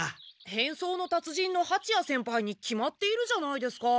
変装の達人のはちや先輩に決まっているじゃないですか。